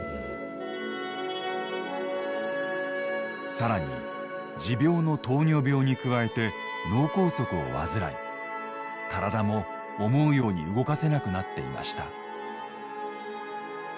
更に持病の糖尿病に加えて脳梗塞を患い体も思うように動かせなくなっていました。